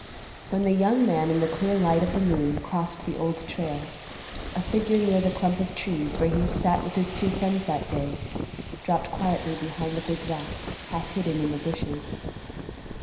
When the young man in the clear light of the moon crossed the Old Trail, a figure near the clump of trees, where he had sat with his two friends that day, dropped quietly behind a big rock, half hidden in the bushes.